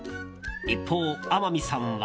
一方、天海さんは。